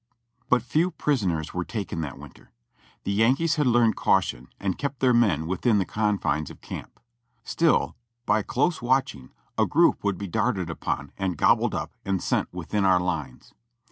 But few prisoners were taken that winter. The Yankees had learned caution and kept their men within the confines of camp. Still, by close watching a group would be darted upon and gob bled up and sent within our lines.